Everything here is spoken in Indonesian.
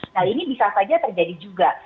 nah ini bisa saja terjadi juga